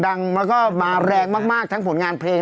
ดังแล้วก็มาแรงมากทั้งผลงานเพลง